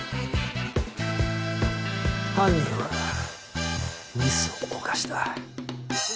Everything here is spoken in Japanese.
犯人はミスを犯した。